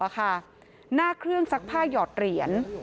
หน้าเครื่องซักผ้าหยอดเหรียญ